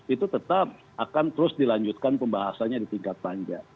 itu tetap akan terus dilanjutkan pembahasannya di tingkat panjang